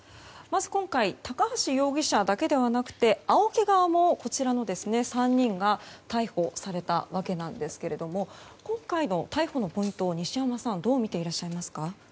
まず今回高橋容疑者だけではなくてＡＯＫＩ側もこちらの３人が逮捕された訳なんですけども今回の逮捕のポイントを西山さんはどう見ていらっしゃいますか。